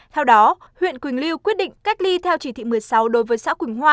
theo đó huyện quỳnh lưu quyết định cách ly theo chỉ thị một mươi sáu đối với xã quỳnh hoa